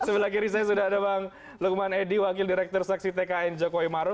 sebelah kiri saya sudah ada bang lukman edi wakil direktur saksi tkn jokowi maruf